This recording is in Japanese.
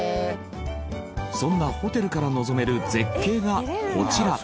そんなホテルから望める絶景がこちら。